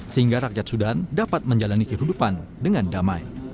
sehingga rakyat sudan dapat menjalani kehidupan dengan damai